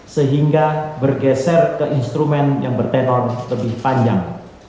sehingga bergeser ke instrumen yang bertenor lebih panjang